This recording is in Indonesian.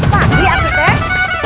padi aku teh